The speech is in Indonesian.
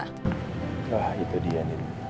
ah itu dia nih